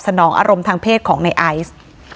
นองอารมณ์ทางเพศของในไอซ์